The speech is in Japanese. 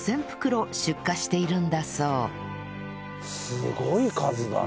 すごい数だね。